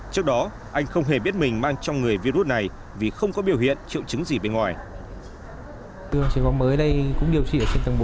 trước đó anh không hề biết mình mang trong người virus này vì không có biểu hiện triệu chứng gì bên ngoài